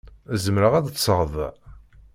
Zemreɣ ad ṭṭseɣ da?